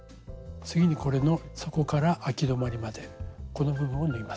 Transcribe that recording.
次にこれの底からあき止まりまでこの部分を縫います。